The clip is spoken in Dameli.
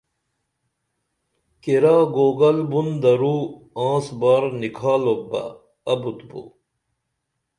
کیرا گوگل بُن درو آنس بار نِکھالوپ بہ ابُت بو